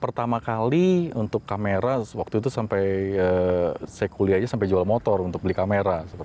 pertama kali untuk kamera waktu itu sampai saya kuliah aja sampai jual motor untuk beli kamera